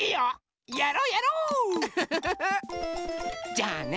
じゃあね。